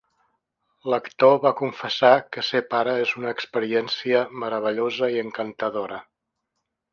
L'actor va confessar que ser pare és una experiència meravellosa i encantadora.